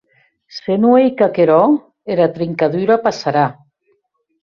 Se non ei qu’aquerò, era trincadura passarà.